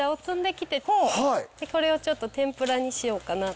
これをちょっと天ぷらにしようかなと思って。